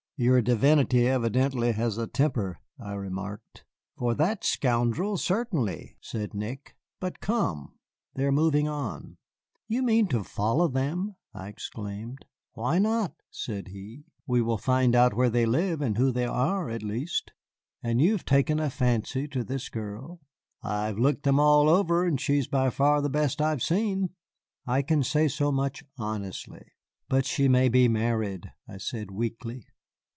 "Your divinity evidently has a temper," I remarked. "For that scoundel certainly," said Nick; "but come, they are moving on." "You mean to follow them?" I exclaimed. "Why not?" said he. "We will find out where they live and who they are, at least." "And you have taken a fancy to this girl?" "I have looked them all over, and she's by far the best I've seen. I can say so much honestly." "But she may be married," I said weakly.